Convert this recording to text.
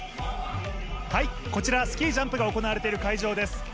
こちらスキージャンプが行われている会場です。